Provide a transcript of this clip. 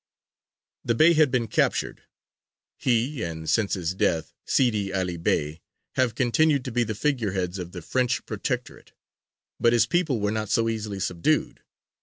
_ The Bey had been captured he and since his death Sidi 'Alī Bey have continued to be the figureheads of the French Protectorate but his people were not so easily subdued.